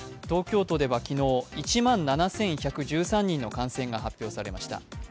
東京都では昨日、１万７１１３人の感染が発表されました。